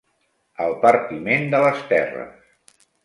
El partiment de les terres.